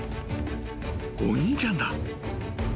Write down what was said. お兄ちゃんだ］